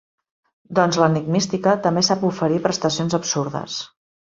Doncs l'enigmística també sap oferir prestacions absurdes.